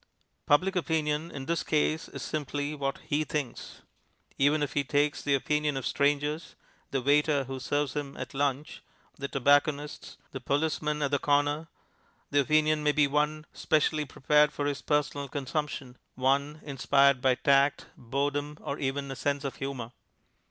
Public Opinion in this case is simply what he thinks. Even if he takes the opinion of strangers the waiter who serves him at lunch, the tobacconist, the policeman at the corner the opinion may be one specially prepared for his personal consumption, one inspired by tact, boredom, or even a sense of humour.